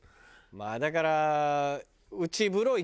まあだから。